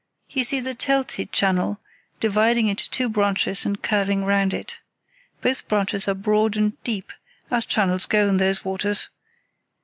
You see the Telte channel dividing into two branches and curving round it. Both branches are broad and deep, as channels go in those waters.